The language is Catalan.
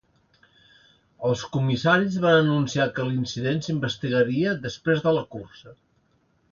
Els comissaris van anunciar que l'incident s'investigaria després de la cursa.